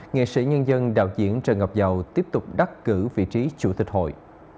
nghệ sĩ nhân dân đạo diễn trần ngọc dầu tiếp tục đắc cử vị trí chủ tịch hội